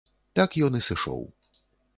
Так ён і сышоў.